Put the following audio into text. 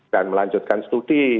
dan melanjutkan studi